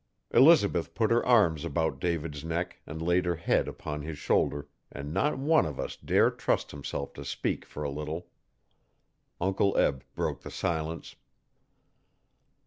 Elizabeth put her arms about David's neck and laid her head upon his shoulder and not one of us dare trust himself to speak for a little. Uncle Eb broke the silence.